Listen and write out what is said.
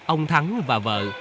ông thắng và vợ